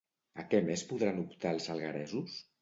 A què més podran optar els algueresos?